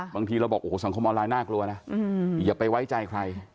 บางทีเราบอกโอ้โหสังคมออนไลน์น่ากลัวนะอย่าไปไว้ใจใคร